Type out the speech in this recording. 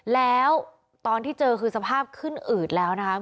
แล้วตอนที่เจอคือสภาพขึ้นอืดแล้วนะคะ